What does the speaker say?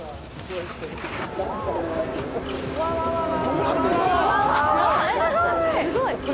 どうなってんだよ！